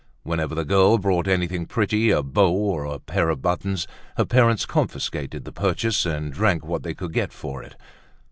Whenever the girl bought anything pretty, a bow or a pair of buttons, her parents confiscated the purchase and drank what they could get for it.